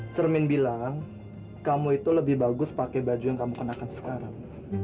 cermin bilang kamu itu lebih bagus pakai baju yang kamu kenakan sekarang